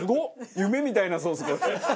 夢みたいなソース。